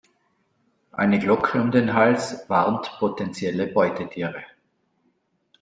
Eine Glocke um den Hals warnt potenzielle Beutetiere.